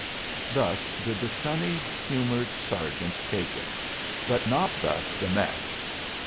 Thus did the sunny humored Sergeant take it, but not thus the mess.